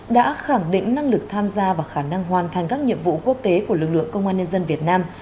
đã khẳng định năng lực tham gia và khả năng hoàn thành các nhiệm vụ quốc tế của lực lượng công an nhân dân việt nam